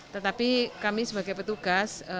tetapi kami sebagai petugas